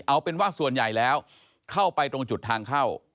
เอาเป็นว่าส่วนใหญ่แล้วเข้าไปตรงจุดทางเข้า